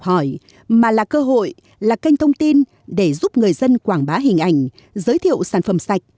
học hỏi mà là cơ hội là kênh thông tin để giúp người dân quảng bá hình ảnh giới thiệu sản phẩm sạch